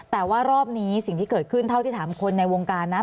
แต่ว่ารอบนี้สิ่งที่เกิดขึ้นเท่าที่ถามคนในวงการนะ